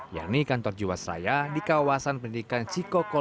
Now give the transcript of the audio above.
yakni kantor jawa seraya di kawasan pendidikan cikokol